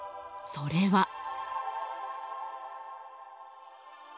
それは。